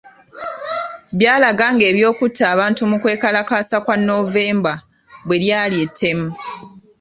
Byalaga ng’ebyokutta abantu mu kwekalakaasa kwa Novemba bwe lyali ettemu .